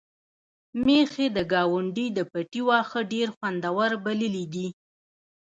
میښې د ګاونډي د پټي واښه ډېر خوندور بللي دي.